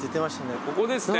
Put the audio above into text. ここですね。